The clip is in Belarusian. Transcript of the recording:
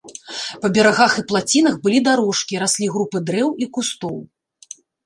Па берагах і плацінах былі дарожкі, раслі групы дрэў і кустоў.